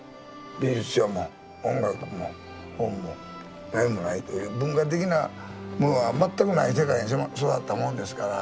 美術書も音楽も本も何もないという文化的なものが全くない世界で育ったもんですから。